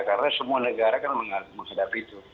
karena semua negara kan menghadapi itu